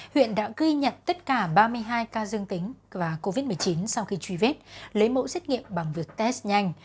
huyện đã ghi nhận tất cả ba mươi hai ca dương tính và covid một mươi chín sau khi truy vết lấy mẫu xét nghiệm bằng việc test nhanh